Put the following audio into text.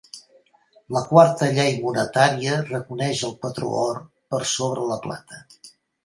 La Quarta Llei Monetària reconeix el patró or per sobre la plata.